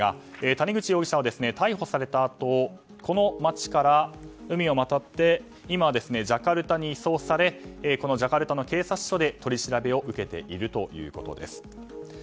谷口容疑者は逮捕されたあとこの町から海を渡って今、ジャカルタに移送されジャカルタの警察署で取り調べを受けているということです。